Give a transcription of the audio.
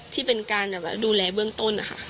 ที่เป็นการดูแลเบื้องต้นนะคะ